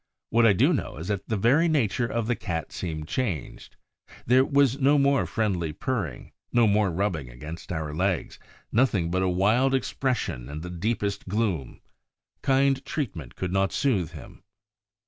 What I do know is that the very nature of the Cat seemed changed: there was no more friendly purring, no more rubbing against our legs; nothing but a wild expression and the deepest gloom. Kind treatment could not soothe him.